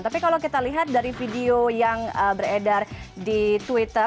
tapi kalau kita lihat dari video yang beredar di twitter